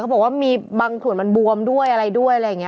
บอกว่ามีบางส่วนมันบวมด้วยอะไรด้วยอะไรอย่างนี้